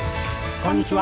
こんにちは。